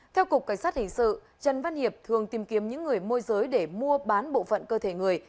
theo cục cảnh sát hình sự trần văn hiệp thường tìm kiếm những người môi giới để mua bán bộ phận cơ thể người